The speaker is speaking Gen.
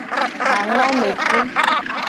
Angomefu.